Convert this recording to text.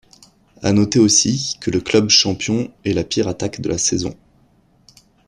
À noter aussi que le club champion est la pire attaque de la saison.